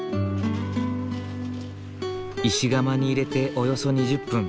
石窯に入れておよそ２０分。